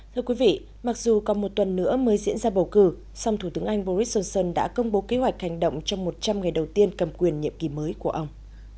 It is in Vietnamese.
thưa quý vị mặc dù còn một tuần nữa mới diễn ra bầu cử song thủ tướng anh boris johnson đã công bố kế hoạch hành động trong một trăm linh ngày đầu tiên cầm quyền nhiệm kỳ mới của ông